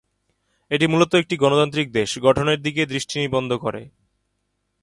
এটি মূলত একটি গণতান্ত্রিক দেশ গঠনের দিকে দৃষ্টি নিবদ্ধ করে।